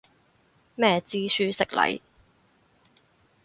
咩知書識禮